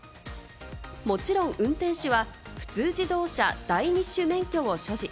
もちろん運転手は、普通自動車第二種免許を所持。